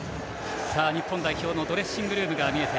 日本代表のドレッシングルームです。